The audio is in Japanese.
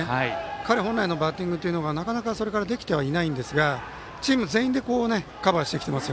彼本来のバッティングというのはなかなかそれからできていないんですがチーム全員でカバーしてます